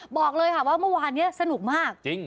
บอกเลยค่ะว่าเมื่อวานนี้สนุกมากจริง